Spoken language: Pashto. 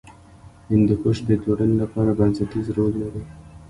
هندوکش د ټولنې لپاره بنسټیز رول لري.